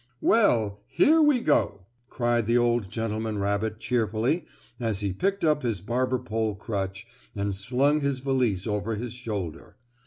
"Well, here we go!" cried the old gentleman rabbit cheerfully as he picked up his barber pole crutch and slung his valise over his shoulder.